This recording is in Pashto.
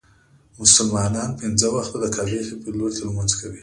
مسلمانان پنځه وخته د کعبې شريفي لوري ته لمونځ کوي.